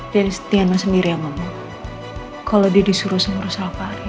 den setiano sendiri sama mu kalau dia disuruh semua rusak apa hari